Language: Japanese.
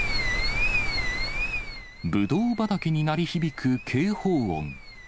ぶどう畑に鳴り響く警報音。